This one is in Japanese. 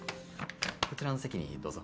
こちらの席にどうぞ。